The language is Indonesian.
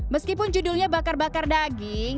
meskipun judulnya bakar bakar daging